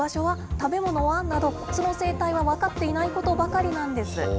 食べ物は？など、その生態は分かっていないことばかりなんです。